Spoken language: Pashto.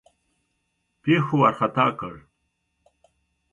پیښو وارخطا کړ.